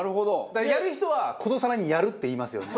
だからやる人はことさらにやるって言いますよね。